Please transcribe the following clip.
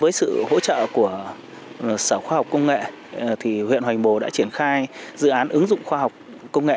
với sự hỗ trợ của sở khoa học công nghệ huyện hoành bồ đã triển khai dự án ứng dụng khoa học công nghệ